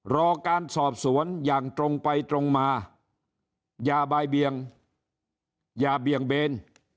รอการสอบสวนอย่างตรงไปตรงมาอย่าบ่ายเบียงอย่าเบี่ยงเบน